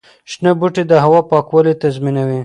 شنه بوټي د هوا پاکوالي تضمینوي.